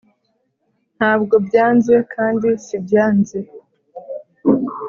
ntabwo mbyanze kandi simbyanze